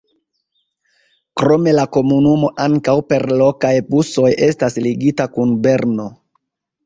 Krome la komunumo ankaŭ per lokaj busoj estas ligita kun Berno.